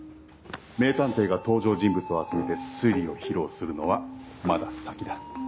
名探偵が登場人物を集めて推理を披露するのはまだ先だ。